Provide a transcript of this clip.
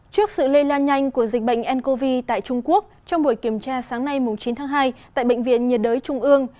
trước sự lây lan nhanh của dịch bệnh ncov tại trung quốc trong buổi kiểm tra sáng nay chín tháng hai tại bệnh viện nhiệt đới trung ương